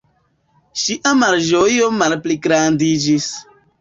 Ŝia malĝojo malpligrandiĝis.